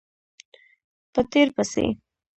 په تېر پسې